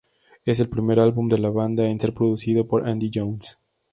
Es el primer álbum de la banda en ser producido por Andy Johns.